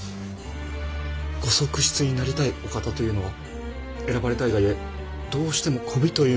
ご側室になりたいお方というのは選ばれたいがゆえどうしても媚びというものがにじむものだと私は思うのですが。